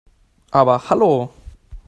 Aber hallo!